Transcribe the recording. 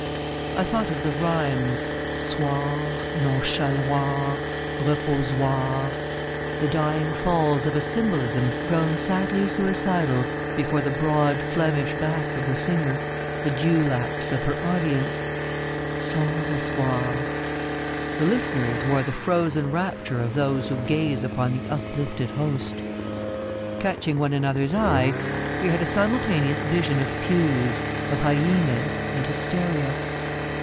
I thought of the rhymes — soir, non chaloir, reposoir — the dying falls of a symbolism grown sadly suicidal before the broad Flemish back of the singer, the dew laps of her audience. Sans Espoir. The listeners wore the frozen rapture of those who gaze upon the uplifted Host. Catching one another's eye, we had a simultaneous vision of pews, of hyenas and hysteria.